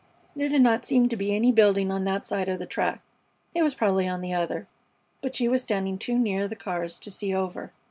There did not seem to be any building on that side of the track. It was probably on the other, but she was standing too near the cars to see over.